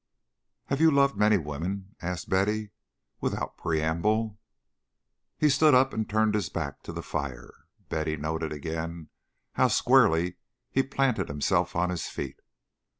"Have you loved many women?" asked Betty, without preamble. He stood up and turned his back to the fire. Betty noted again how squarely he planted himself on his feet.